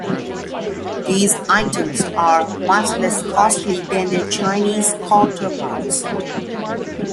These items are much less costly than their Chinese counterparts.